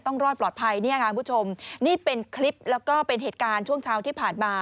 รอดปลอดภัยเนี่ยค่ะคุณผู้ชมนี่เป็นคลิปแล้วก็เป็นเหตุการณ์ช่วงเช้าที่ผ่านมา